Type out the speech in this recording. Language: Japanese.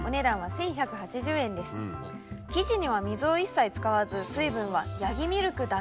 生地には水を一切使わず水分はヤギミルクだけ。